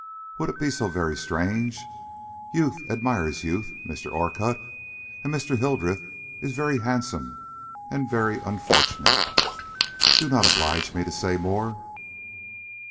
Would it be so very strange? Youth admires youth, Mr. Orcutt, and Mr. Hildreth is very handsome and very unfortunate. Do not oblige me to say more."